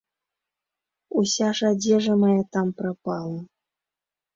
Уся ж адзежа мая там прапала.